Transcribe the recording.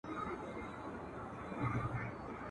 دا وینا له دومره پوچو الفاظو !.